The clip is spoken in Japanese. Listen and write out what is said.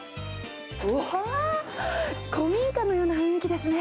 うわー、古民家のような雰囲気ですね。